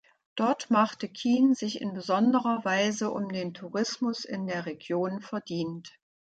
Dort machte Kihn sich in besonderer Weise um den Tourismus in der Region verdient.